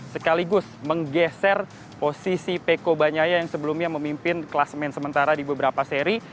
sekaligus menggeser posisi peko banyaya yang sebelumnya memimpin kelas main sementara di beberapa seri